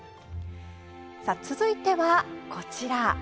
続いては、こちら。